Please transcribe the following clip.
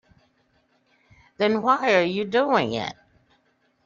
Then why are you doing it?